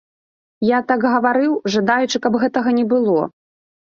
Я так гаварыў, жадаючы, каб гэтага не было.